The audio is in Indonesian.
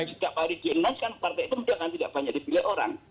jika pari jenis kan partai itu mudah mudahan tidak banyak dipilih orang